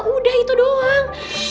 udah itu doang